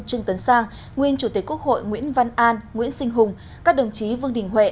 trương tấn sang nguyên chủ tịch quốc hội nguyễn văn an nguyễn sinh hùng các đồng chí vương đình huệ